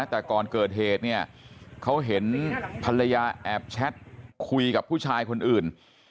แต่ก่อนเกิดเหตุเนี่ยเขาเห็นภรรยาแอบแชทคุยกับผู้ชายคนอื่น